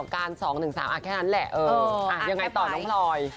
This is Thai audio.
ยังไงต่อน้องพลอย